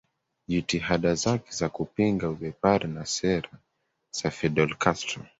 Jitihada zake za kupinga ubepari na Sera za Fidel Castro